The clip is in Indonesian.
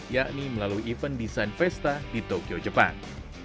yakni melalui event desain pesta di tokyo jepang